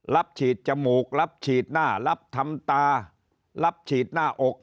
รับฉีดจมูกรับฉีดหน้ารับทำตารับฉีดหน้าอก